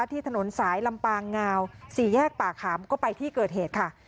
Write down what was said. ที่ถนนสายลำปางงาวสี่แยกป่าขามก็ไปที่เกิดเหตุค่ะ